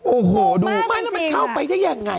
โอ้โหดูไม่แล้วมันเข้าไปได้ยังไง